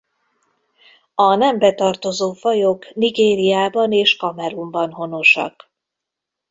A nembe tartozó fajok Nigériában és Kamerunban honosak.